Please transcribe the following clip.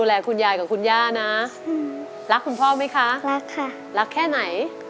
รักมากค่ะ